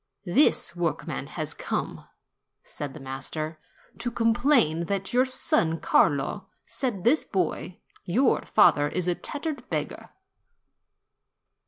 "This workman has come," said the master, "to complain that your son Carlo said to his boy, 'Your father is a tattered beggar.'